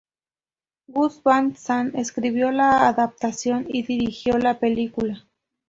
Gus Van Sant escribió la adaptación y dirigió la película.